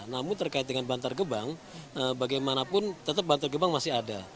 namun terkait dengan bantar gebang bagaimanapun tetap bantar gebang masih ada